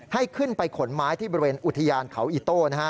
ให้ขึ้นไปขนไม้ที่บริเวณอุทยานเขาอิโต้